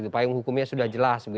payung hukumnya sudah jelas